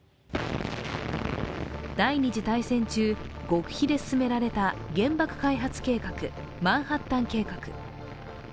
第二次大戦中、極秘で進められた原爆開発計画、マンハッタン計画。